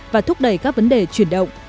và thúc đẩy các vấn đề chuyển động